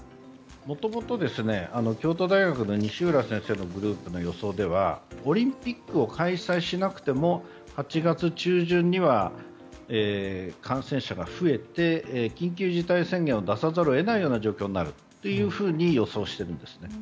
もともと京都大学の西浦先生のグループの予想ではオリンピックを開催しなくても８月中旬には感染者が増えて緊急事態宣言を出さざるを得ないような状況になるというふうに予想しているんですね。